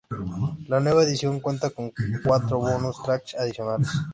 La nueva edición cuenta con cuatro "bonus tracks" adicionales.